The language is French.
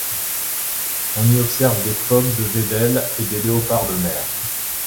On y observe des phoques de Wedell et des léopards de mer.